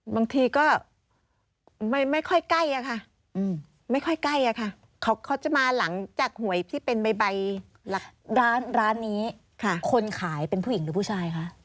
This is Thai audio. บางทีก็ไม่ค่อยใกล้อะค่ะไม่ค่อยใกล้อะค่ะเขาจะมาหลังจากหวยที่เป็นใบร้านนี้คนขายเป็นผู้หญิงหรือผู้ชายคะ